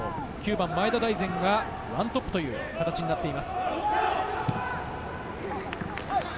前田大然が１トップという形になっています。